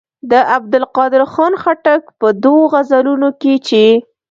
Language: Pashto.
د عبدالقادر خان خټک په دوو غزلونو کې چې.